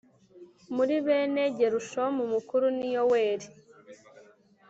muri bene Gerushomu umukuru ni Yoweli